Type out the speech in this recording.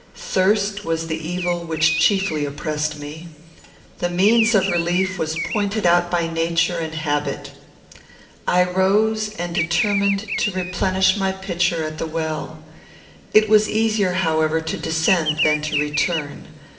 Thirst was the evil which chiefly oppressed me. The means of relief was pointed out by nature and habit. I rose, and determined to replenish my pitcher at the well. It was easier, however, to descend than to return.